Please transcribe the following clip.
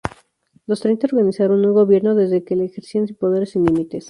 Los Treinta organizaron un gobierno desde el que ejercían el poder sin límites.